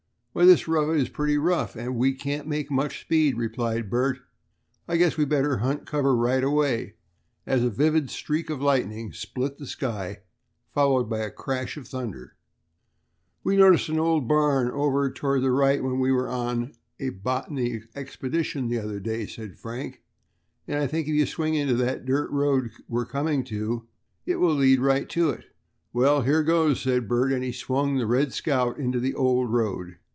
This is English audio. "Why, this road is pretty rough, and we can't make much speed," replied Bert. "I guess we'd better hunt cover right away," as a vivid streak of lightning split the sky, followed by a crash of thunder. "We noticed an old barn over toward the right when we were on a botany expedition the other day," said Frank, "and I think that if you swing into that dirt road we're coming to, it will lead us right to it." "Well, here goes," said Bert, and swung the "Red Scout" into the old road.